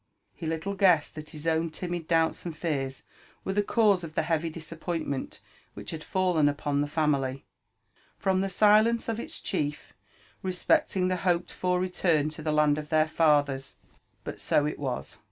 He little guessed that his own timid doubts and fears were the cause of the heavy disappoint ment which had fallen upon the family, from the silence of its chief re specting the hoped for return to the land of their fathers. But so it was.